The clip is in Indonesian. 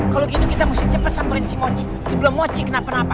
kalau gitu kita mesti cepet sampein si mochi sebelum mochi kenapa kenapa